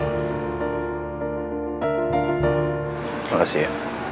terima kasih ya